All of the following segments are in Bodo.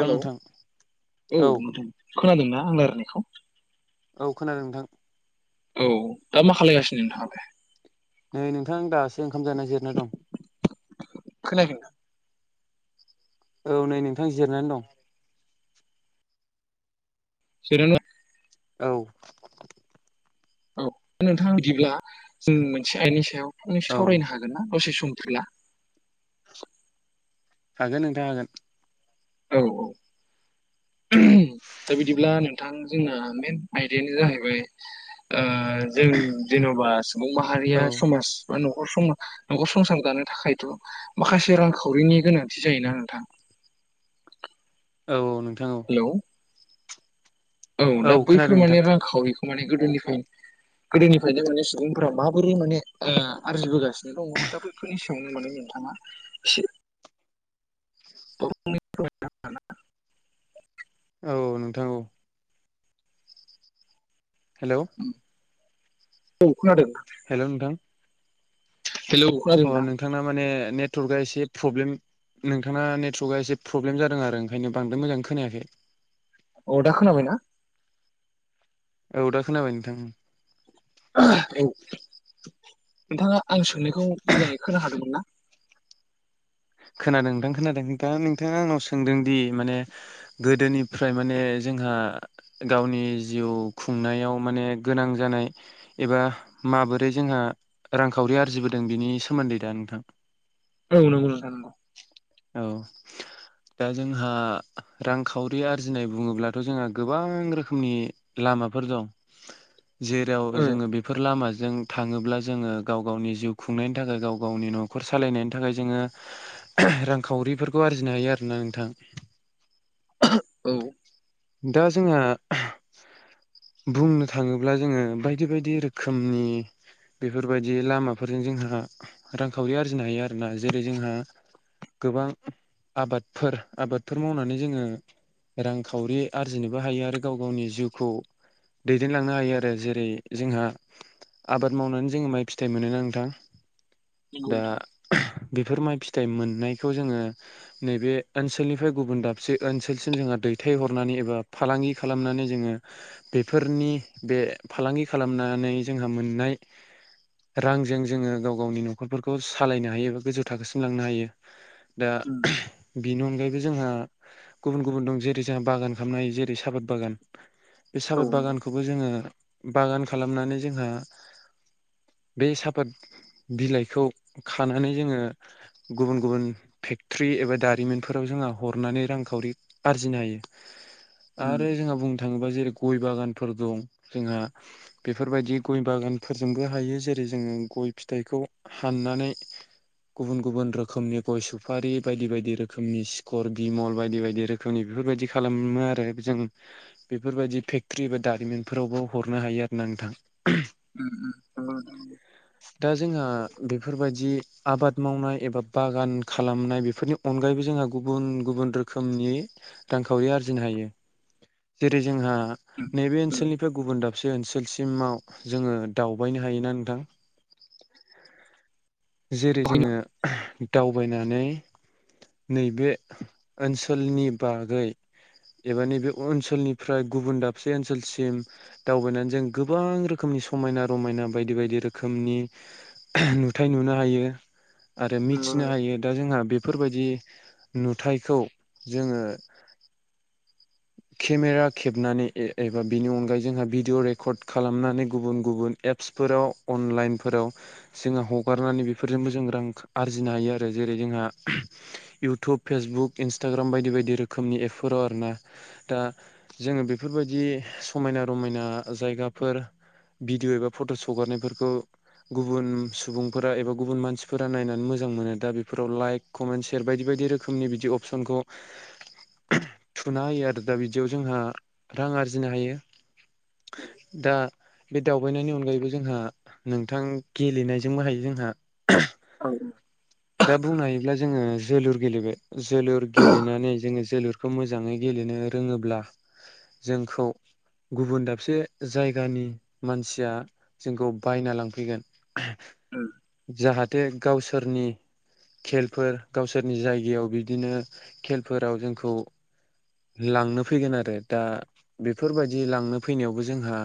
हेलौ औ नोंथां खोनादोंना आं रायलायनायखौ औ खोनादों नोंथां औ दा मा खालायगासिनो नोंथाङालाय नै नोंथां दासो ओंखाम जाना जिरना दं। खोनायाखै नोंथां औ नै नोंथां जिरायनानै दं [unintelligible] औ औ नोंथां बिदिब्ला जों मोनसे आयदानि सायाव औ सावरायनो हागोन ना? दसे सम हागोन नोंथां हागोन औ औ दा बिदिब्ला नोंथां जोंना मेन आयदायानो जाहैबाय ओ जों जेन'बा सुबुं माहारिया औ समाज बा न' खर नखर संसार जानो थाखायथ' माखासे रांखावरिनि गोनांथि जायोना नोंथां औ नों हेल' औ दा बैफोर खोनादों नोंथां माने रां खावरि माने गोदोनिफ्राय गोदोनिफ्रायनो माने सुबुंफोरा माबोरै माने ओ आरजिबो गासिनो दङ दा बैफोरनि सायावनो माने नोंथाङा एसे [unintelligible] औ नोंथां औ हेल' औ खोनादों नोंथां हेलौ खोनादों अ ना नोंथांना माने नेटवर्कआ एसे प्रब्लेम नोंथाङा नेटवर्कआ एसे प्रब्लेम जादों आरो ओंखायनो बांद्राय मोजाङै खोनायाखै औ दा खोना बायना? औ दा खोनाबाय नोंथां ओं औ नोंथाङा आं सोंनायखौ मोजाङै खोना हादोंमोन ना? खोनादों नोंथां खोनादों दा नोंथाङा आंनाव सोंदोंदि माने गोदोनिफ्राय माने जोंहा गावनि जिउ खुंनायाव माने गोनां जानाय एबा माबोरै जोंहा रांखावरि आरजिबोदों बिनि सोमोन्दै दा नोंथां औ नंगौ नोंथां नंगौ औ दा जोंहा रांखावरि आरजिनाय बुङोब्लाथ' जोंहा गोबां रोखोमनि लामाफोर दं [inaudible] जेराव ओ जोङो बेफोर लामा जों थाङोब्ला जोङो गाव गावनि जिउ खुंनायनि थाखाय गाव गावनि न'खर सालायनायनि थाखाय जोङो रांखावरिफोरखौ आरजिनो हायो आरोना नोंथां औ दा जोंहा बुंनो थाङोब्ला जोङो बायदि बायदि रोखोमनि बेफोरबायदि लामाफोरजों जोंहा रांखावरि आरजिनो हायो आरोना जेरै जोंहा गोबां आबादफोर आबादफोर मावनानै जोङो रांखावरि आरजिनोबो हायो आरो गाव गावनि जिउखौ दैदेनलांनो हायो आरो जेरै जोंहा आबाद मावनानै जोङो माइ फिथाइ मोनो ना नोंथां नंगौ दा नोंथां बेफोर माइ फिथाइ मोन नायखौ जोङो नैबे ओनसोलनिफ्राय गुबुन दाबसे ओनसोलसिम जोंहा दैथायहरनानै एबा फालांगि खालामनानै जोङो बेफोरनि बे फालांगि खालामनानै जोंहा मोननाय [inaudible] रांजों जोङो गाव गावनि न'खरफोरखौ सालायनो हायो एबा गोजौ थाखोसिम लांनो हायो दा बेनि अनगायैबो जोंहा गुबुन गुबुन दं जेरै जोंहा बागान खालामनो हायो जेरै साफाद बागान बे उम औ साफाद नंगौ बागानखौबो जोङो बागान खालामनानै जोंहा बे साफात बिलाइखौ खानानै जोङो गुबुन गुबुन फेक्टर्रि एबा दारिमिनफोराव जोंहा हरनानै रांखावरि आरजिनो हायो उम आरो जोंहा बुंनो थाङोबा जेरै गय बागानफोर दं जोंहा बेफोरबायदि गय बागानफोरजोंबो हायो जेरै जोङो गय फिथाइखौ हाननानै गुबुन गुबुन रोखोम रोखोमनि गय सुफारि बायदि बायदि रोखोमनि सिखर बिमल बायदि बायदि रोखोमनि बेफोरबायदि खालामो आरो जों बेफोरबायदि फेक्टरि एबा दारिमिनफोरावबो हरनो हायो आरो ना नोंथां ओम ओम नंगौ नोंथां दा जोंहा बेफोरबायदि आबाद मावनाय एबा बागान खालामनाय बेफोरनि अनगायैबो जोंहा गुबुन गुबुन रोखोमनि रांखावरि आरजिनो हायो जेरै जोंहा उम नैबे नंगौ ओनसोलनिफ्राय गुबुन दाबसे से ओनसोलसिमाव जोङो दावबायनो हायोना नोंथां जेरै दहायनो जोङो दावबायनानै नैबे ओनसोलनि बागै एबा नैबे ओनसोलनिफ्राय गुबुन दाबसे ओनसोलसिम दावबायनानै जों गोबां रोखोम समायना रायना बायदि बायदि रोखनि नुथाइ नुनो हायो आरो नंगौ मिथिनो नंगौ हायो दा जोंहा बेफोरबायदि नुथायखौ जोङो [inaudible] केमेरा खेबनानै एबा बिनि अनगायै जोंहा भिडिअ रेकर्ड खालामनानै गुबुन गुबुन एप्स फोराव अनलाइनफोराव जोङो हगारनानै बेफोरजोंबो जों रां आरजिनो हायो आरो जेरै जोंहा इउटुब फेसबुक इन्सटाग्राम बायदि बायदि रोखोमनि एपफोराव आरोना दा जोङो बेफोरबायदि समायना रमायना जायगाफोर भिडिअ' एबा फट' सगारनायफोरखौ गुबुन सुबुंफोरा एबा गुबुन मानसिफोरा नायनानै मोजां मोजां मोनो बेफोराव लाइक कमेन्ट सेयार बायदि बायदि रोखोमनि बिदि अपसनखौ [inaudible] खुना [unintelligible] होयो आरो दा बिदियाव जोंहा रां आरजिनो हायो दा बे दावबायनायनि अनगायैबो जोंहा नोंथां गेलेनायजोंबो हायो जोंहा औ दा बुंनो हायोब्ला जोङो जोलुर गेलेबाय जोलुर गेलेनानै जोङो जोलुरखौ मोजां मोजाङै गेलेनो रोङोब्ला जोंखौ गुबुन दाबसे जायगानि मानसिया जोंखौ बायना लांफैगोन ओम जाहाथे गावसोरनि खेलफोर गावसोरनि जायगायाव बिदिनो खेलफोराव जोंखौ [inaudible] लांनो फैगोन आरो दा बेफोरबायदि लांनो फैनायावबो जोंहा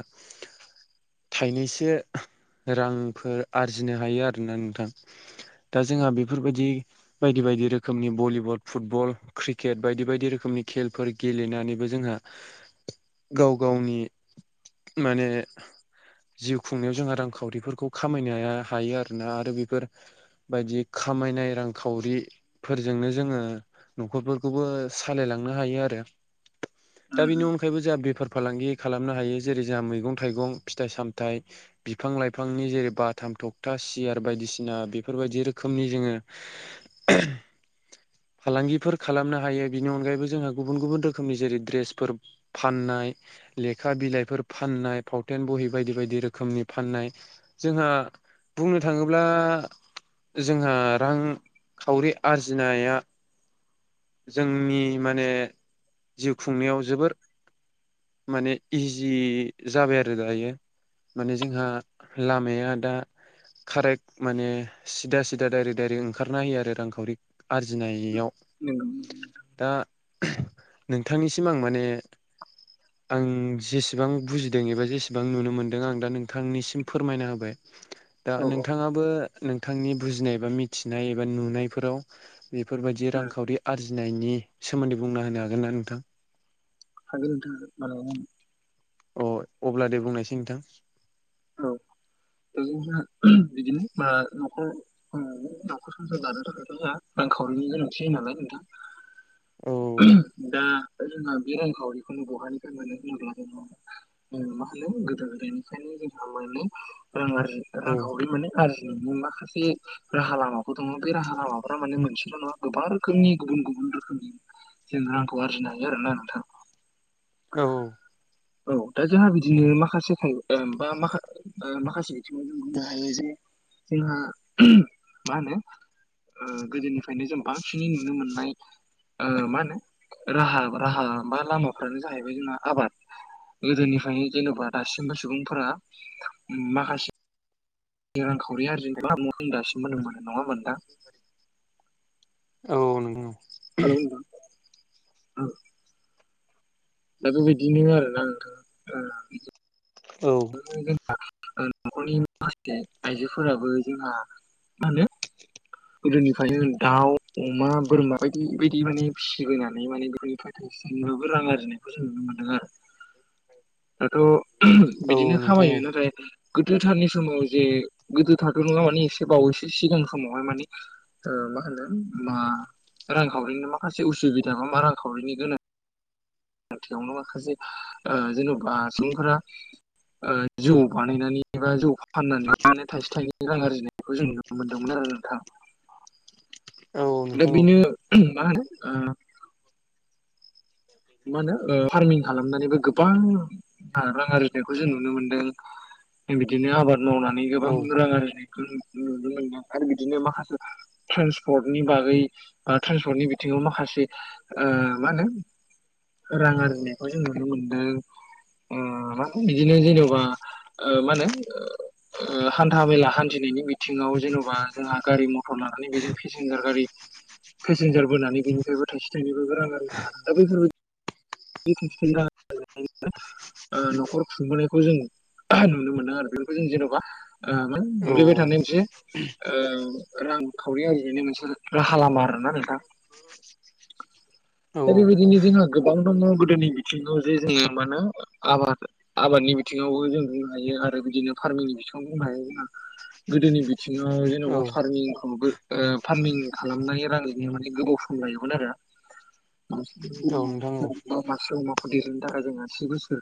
थाइनैसो रांफोर आरजिनो हायो आरोना नोंथां दा जोंहा बेफोरबायदि बायदि बायदि रोखोमनि भलिबल फुटबल क्रिकेट बायदि बायदि रोखोम रोखोमनि खेलफोर गेलेनानैबो जोंहा गाव गावनि माने जिउ खुंनायाव जोंहा रांखावरिफोरखौ खामायनोया हायो आरोना आरो बेफोरबायायदि खामायनाय रांखावरिफोरजोंनो जोङो न'खरफोरखौबो सालायलांनो हायो आरो उम दा बेनि उम अनगायैबो जाहा बेफोर फालांगि खालामनो हायो जेरै जोंहा मैगं थाइगं फिथाइ सामथाइ बिफां लाइफांनि जेरै बाथाम थखथा सियार बायदिसिना बेफोरबायदि रोखोमनि जोङो फालांगिफोर खालामनो हायो बेनि अनगायैबो जोंहा गुबुन गुबुन रोखोमनि जेरै द्रेसफोर फाननाय लेखा बिलाइफोर फान नाय फावथेन बहि बायदि बायदि रोखोमनि फाननाय जोंहा बुंनो थाङोब्ला जोंहा रांखावरि आरजिनाया [inaudible] जोंनि माने जिउ खुंनायाव जोबोर माने इजि जाबाय आरो दायो माने जोंहा लामाया दा खारेक्ट माने सिदा सिदा डाइरेक्ट डायरेक्ट ओंखारना होयो आरो रांखावरि आरजिनायाव नंगौ नंगौ नोंथां दा नोंथांनिसिम आं माने आं जेसेबां बुजिदों एबा जेसेबां नुनो मोनदों आं दा नोंथांनिसिम फोरमायना होबाय दा औ नोंथाङाबो नोंथांनि बुजिनाय एबा मिथिनाय एबा नुनायफोराव बेफोरबायदि ओ रांखावरि आरजिनायनि सोमोनदै बुंना होनो हागोन ना नोंथां? हागोन नोंथां हागोन मानो हाया जानो अ अब्ला दे बुंनायसाय नोंथां औ बिदिनो [unintelligible] बिदिनो मा न'खर ओ न'खर संसार दानो थाखायथ जोंहा रां-खावरिनि गोनांथि जायो नालाय नोंथां औ [unintelligible] दा जोंहा बे रांखावरिखौ बहानिफ्राय मोनो होनोब्ला जोङो ओ मा होनो गोदो गोदायनिफ्रायनो जों माने रां आरजि रां औ खावरि माने आर माखासे राहा लामाफोर दङ' बे राहा लामाफोरा माने मोनसेल' नङा गोबां रोखोमनि गुबुन गु रोखोमनि जों रांखौ आरजिनो हायो आरोना नोंथां औ औ औ दा जोहा बिदिनो माखासे थाइ ओ बा माखा ओ माखासे बिथिङाव बुंनो हायो जे जोंहा [unintelligible] मा होनो ओ गोदोनिफ्रायनो जों बांसिनै नुनो मोननाय ओ मा होनो राहा राहा बा लामाफ्रानो जाहैबाय जोंना आबाद गोदोनिफ्रायनो जेन'बा दासिमबो सुबुंफोरा माखासे रांखावरि आरजिनो थाखाय दासिमबो मोनो नङा होमबा नोंथां औ नंगौ [unintelligible] औ दा बेबायदिनो आरोना नोंथां ओ [unintelligible] ओ न'खरनि माखासे आइजोफोराबो जोंहा मा होनो गोदोनिफ्रायनो दाउ अमा बोरमा बायदि बायदि माने फिसिबोनानै माने बेफोरनिफ्राय थायसे जोंनोबो रां आरजिनायखौ जों नुनो मोनदों आरो दाथ' ‌ [unintelligible] औ बिदिनो नोंथां खामायो औ नाथाय गोदोथारनि समाव जे गोदोथारथ' नङा माने से बावैसो सिगां समावहाय माने ओ मा होनो मा रांखावरिनि माखासे उसुबिदा मा रांखावरिनि गोनां थियावनो माखासे ओ जेन'बा सुबुंफोरा ओ जौ बानायनानै एबा जौ फाननानै लानानै थाइसे थाइनै रां आर्जिनायखौ जों नुनो मोन्दोंमोन आरो नोंथां औ नोंथां औ दा बिनो मा होनो ओ मा होनो ओ फारमिं खालामनानैबो गोबां रां आरजिनायखौ जों नुनो मोनदों बेबादिनो आबाद मावनानै गोबां रां आरजिनायखौ नुनो मोनदों आरो बिदिनो माखासे ट्रेन्सपर्टनि बागै बा ट्रेन्सपर्टनि बिथिङाव माखासे ओ मा होनो रां आरजिनायखौ जों नुनो मोनदों ओ माहोनो बिदिनो जेन'बा ओ मानो ओ हान्था मेला हान्थिनायनि बिथिङाव जेन'बा जोंहा गारि मथर लानानै बेजों पेसेन्जार गारि पेसेन्जार बोनानै बेनिफ्रायबो थाइसे थाइनैबाबो रां आरजिनो हादों दा बेफोरबायदि बि थाइसे थायनै रां ओ न'खर खुंबोनायखौ जों [unintelligible] नुनो मोनो आरो बेफोरखौ जों जेन'बा ओ मा [unintelligible] थानाय मोनसे ओ रांखावरि आरजिनाय मोनसे राहा लामा आरो ना नोंथा औ दा बेबायदिनो जोंहा गोबां दङ गोदोनि बिथिङाव जे जोङो मा होनो आबाद आबादनि बिथिङावबो जों बुंनो हायो आरो बिदिनो फार्मिंनि बिथिङाव बुंनो हायो गोदोनि बिथिङाव जेन'बा औ फार्मिंखौबो फारमिं खालामनाय रां माने गिदिंनो गोबाव सम लायोमोन आरो औ नोंथां औ मासे अमाखौ देरनो थाखाय जों आसि बोसोर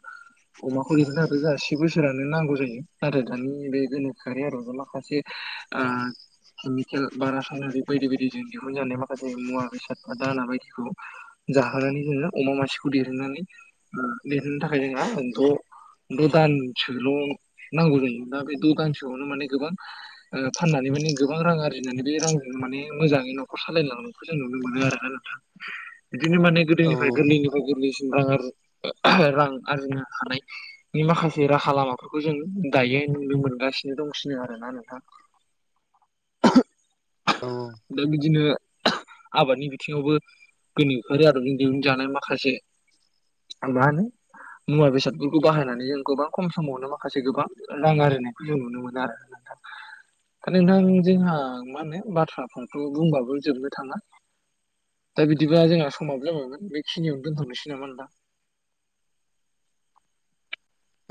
अमाखौ [unintelligible] बोसोरानो नांगौ जायो नाथाय दानि बे गोनोखोआरि आर माखासे आ केमिकेल बारा सारननानै बायदि बायदिजों दिहुनजानाय माखासे मुवा बेसाद ब दाना बायदिखौ जाहोनानै जोङो अमा मासेखौ देरहनानै ओ देरहोनो थाखाय जोंहा दं' द' दानसोल' नांगौ जायो दा बे द' दानसोआवनो माने गोबां फाननानै माने गोबां रां आरजिनानै बे रांजों माने मोजाङै न'खर सालायलांनायखौ जों नुनो मोनो आरोना नोंथां बिदिनो माने गोदोनि औ गोरलैनिफ्राय गोरलैसिनां रां आरजिनो हानायनि माखासे राहा लामा बेफोरखौ जों दायो नुनो मोनगासिनो दंसिनो आरोना नोंथां औ दा बिदिनो आबादनि बिथिङावबो गोनोखोआरि आदबजों दिहुनजानाय जानाय माखासे आं मा होनो मुवा बेसादफोरखौ बाहायनानै जों गोबां खम समावनो माखासे गोबां रां आरजिनायखौ जों नुनो मोनो आरो नोंथां जोंहा माने बाथ्राखौथ' बुंबाबो जोबनो थाङा दा बिदिबा जोंहा समाब जाबायोन बेखिनियावनो दोनथ'नोसै नामा नोंथां [unintelligible]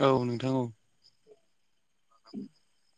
औ नोंथां औ [unintelligible]